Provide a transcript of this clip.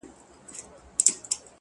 څوك به ويښ څوك به بيده څوك نا آرام وو!!